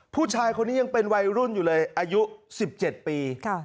ผู้ชายคนนี้ยังเป็นวัยรุ่นอยู่เลยอายุ๑๗ปี